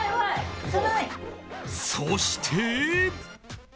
そして。